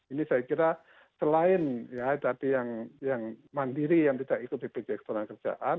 ini saya kira selain ya tadi yang mandiri yang tidak ikut bpjs tenaga kerjaan